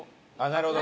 なるほど。